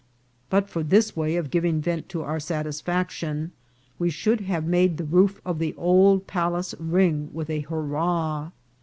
But for this way of giving vent to our satisfaction we should have made the roof of the old palace ring with a hurrah.